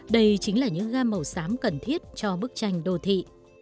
đây chính là những gam màu xám cần thiết cho bức tranh đô thị